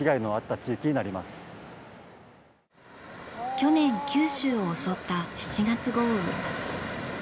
去年九州を襲った７月豪雨。